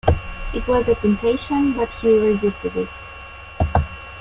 It was a temptation, but he resisted it.